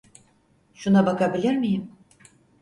Şuna bakabilir miyim?